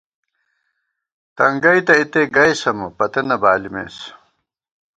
تنگئ تہ اِتے گئیس اَمہ، پتہ نہ بالِمېس